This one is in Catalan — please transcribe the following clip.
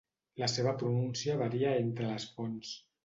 La seva pronúncia varia entre les fonts.